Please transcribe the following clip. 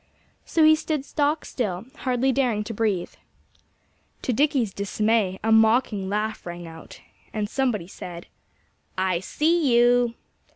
So he stood stock still, hardly daring to breathe. To Dickie's dismay, a mocking laugh rang out. And somebody said: "I see you!"